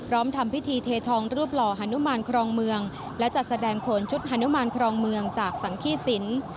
ทำพิธีเททองรูปหล่อฮานุมานครองเมืองและจัดแสดงผลชุดฮานุมานครองเมืองจากสังขี้สิน